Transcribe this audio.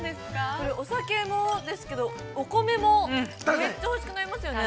◆これ、お酒もですけどお米も、めっちゃおいしくなりますよね。